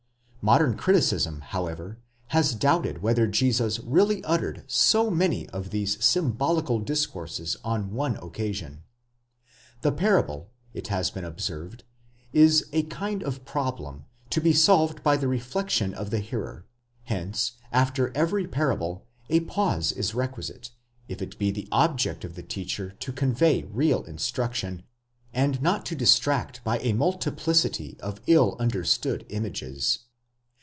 Modern criticism, however, has doubted whether Jesus really uttered so many of these symbolical discourses on one occasion.! The parable, it has been observed, is a kind of problem, to be solved by the reflection of the hearer; hence after every parable a pause is requisite, if it be the object of the teacher to convey real instruction, and not to distract by a multiplicity of ill understood images.